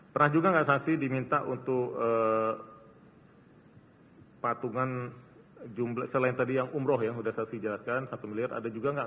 pernah juga nggak saksi diminta untuk patungan jumlah selain tadi yang umroh yang sudah saksi jelaskan satu miliar ada juga nggak